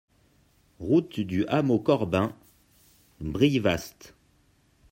Route du Hameau Corbin, Brillevast